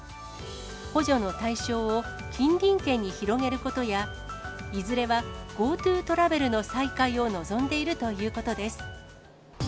補助の対象を近隣県に広げることや、いずれはＧｏＴｏトラベルの再開を望んでいるということです。